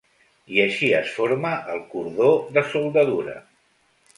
I així es forma el cordó de soldadura.